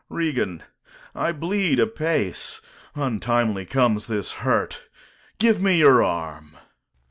Regan, I bleed apace. Untimely comes this hurt. Give me your arm.